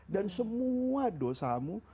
dan semua dosamu